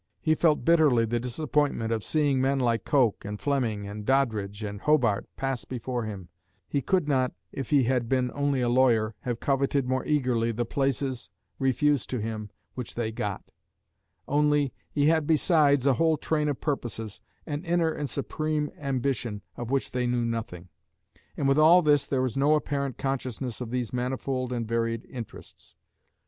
He felt bitterly the disappointment of seeing men like Coke and Fleming and Doddridge and Hobart pass before him; he could not, if he had been only a lawyer, have coveted more eagerly the places, refused to him, which they got; only, he had besides a whole train of purposes, an inner and supreme ambition, of which they knew nothing. And with all this there is no apparent consciousness of these manifold and varied interests.